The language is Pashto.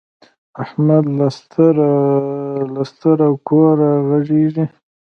احمد له ستره کوره غږيږي.